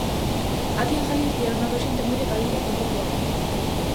Aquí en Galicia noto a xente moi decaída e con pouco ánimo.